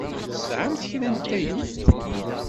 Tesɛamt kra n taluft?